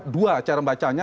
dua cara membacanya